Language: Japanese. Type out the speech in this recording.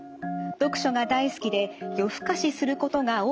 読書が大好きで夜更かしすることが多くあります。